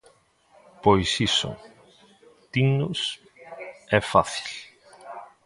Pois iso, dinnos, é fácil.